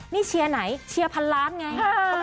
นี่เชียร์ไหนเชียร์พันล้านไง